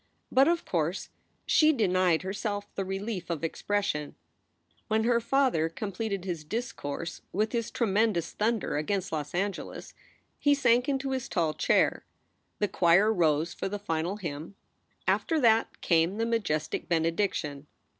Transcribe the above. But, of course, she denied herself the relief of expression. When her father completed his discourse with his tre mendous thunder against Los Angeles, he sank into his tall chair. The choir rose for the final hymn. After that came the majestic benediction.